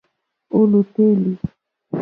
Ò lùtélì.